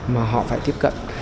mà họ phải tiếp cận